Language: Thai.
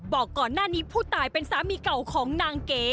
บอกก่อนหน้านี้ผู้ตายเป็นสามีเก่าของนางเก๋